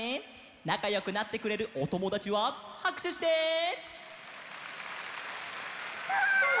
なかよくなってくれるおともだちははくしゅして！わ！